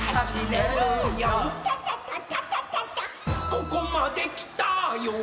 「ここまできたよ」